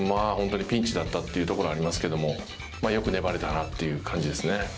ピンチだったっていうところはありますけどよく粘れたなって感じですね。